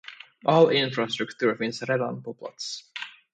All infrastruktur finns redan på plats.